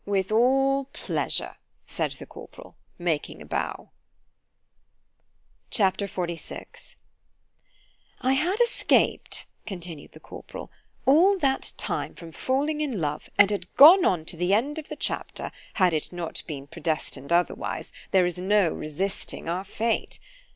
——With all pleasure, said the corporal, making a bow. C H A P. XLVI I HAD escaped, continued the corporal, all that time from falling in love, and had gone on to the end of the chapter, had it not been predestined otherwise——there is no resisting our fate.